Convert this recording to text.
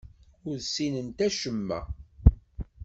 Ur ssinent acemma.